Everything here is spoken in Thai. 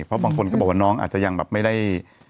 เพราะบางคนก็บอกว่าน้องอาจจะยังแบบไม่ได้